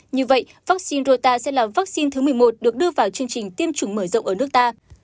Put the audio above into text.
như vậy vaccine rota sẽ là vaccine thứ một mươi một được đưa vào chương trình tiêm chủng mở rộng ở nước ta